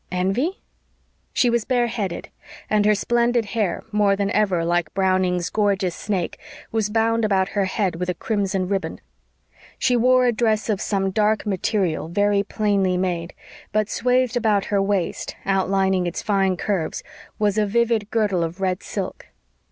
envy. She was bare headed, and her splendid hair, more than ever like Browning's "gorgeous snake," was bound about her head with a crimson ribbon. She wore a dress of some dark material, very plainly made; but swathed about her waist, outlining its fine curves, was a vivid girdle of red silk.